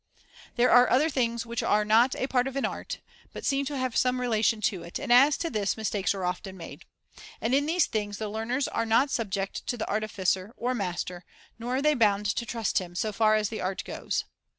There are other things which are not part of an art, but seem to have some relation to it, and as to this mistakes are often made. And in these things the learners are not subject to the artificer or master, nor are they bound to trust him, so far as the art goes.